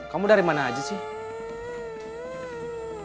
kamu dari mana aja sih